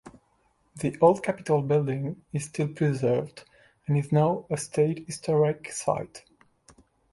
The old capitol building is still preserved and is now a state historic site.